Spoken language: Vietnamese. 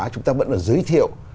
chúng ta vẫn đã giới thiệu